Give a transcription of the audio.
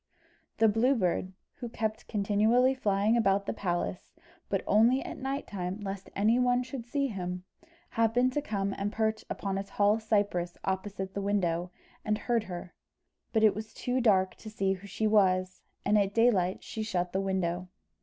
The Blue Bird, who kept continually flying about the palace, but only at night time, lest any one should see him, happened to come and perch upon a tall cypress opposite the window, and heard her; but it was too dark to see who she was, and at daylight she shut the window.